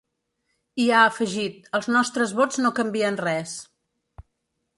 I ha afegit: ‘Els nostres vots no canvien res’.